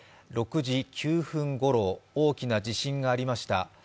６時９分ごろ大きな地震がありました。